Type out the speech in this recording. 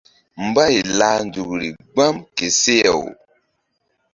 Mbay lah nzukri gbam ke seh-aw.